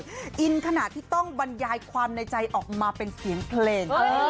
อินขนาดที่ต้องบรรยายความในใจออกมาเป็นเสียงเพลง